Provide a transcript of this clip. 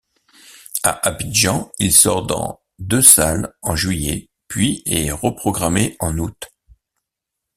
À Abidjan, il sort dans deux salles en juillet puis est reprogrammé en août.